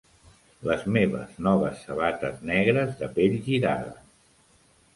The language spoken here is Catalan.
Les meves noves sabates negres de pell girada.